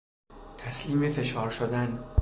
تسلیم فشار شدن